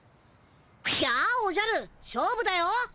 じゃあおじゃる勝負だよ！